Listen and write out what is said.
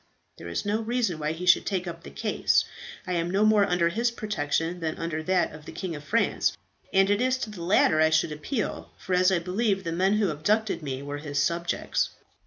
There is no reason why he should take up the case. I am no more under his protection than under that of the King of France, and it is to the latter I should appeal, for as I believe the men who abducted me were his subjects."